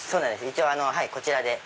一応こちらで。